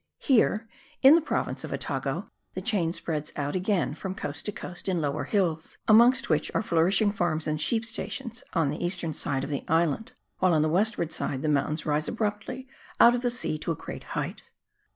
Here, in the province of Otago, the chain spreads out again from coast to coast in lower hills, amongst which are flourishing farms and sheep stations on the eastern side of the island, while on the western side the mountains rise abruptly out of the sea to a great height.